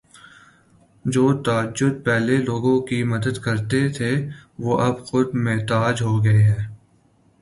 جو تاجر پہلے لوگوں کی مدد کرتے تھے وہ اب خود محتاج ہوگئے ہیں